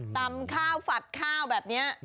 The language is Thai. ตำข้าวฝัดข้าวแบบนี้